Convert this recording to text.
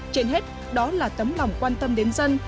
trên hết đó là tấm lòng quan tâm đến dân